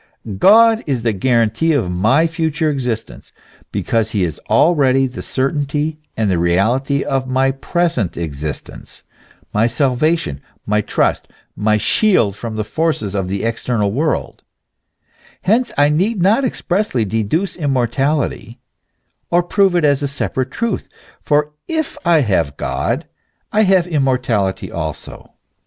God is the guarantee of my future existence, because he is already the certainty and reality of my present existence, my salvation, my trust, my shield from the forces of the external world ; hence I need not expressly deduce immortality, or prove it as a separate truth, for if I have God, I have immortality also.